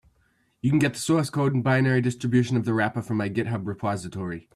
You can get the source code and binary distribution of the wrapper from my GitHub repository.